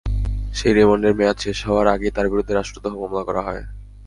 সেই রিমান্ডের মেয়াদ শেষ হওয়ার আগেই তাঁর বিরুদ্ধে রাষ্ট্রদ্রোহ মামলা করা হয়।